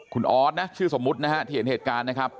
คุณออสนะชื่อสมมุตินะฮะที่เห็นเหตุการณ์นะครับ